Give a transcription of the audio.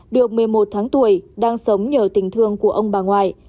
được một mươi một tháng tuổi đang sống nhờ tình thương của ông bà ngoại